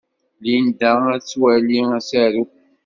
Linda ad twali asaru.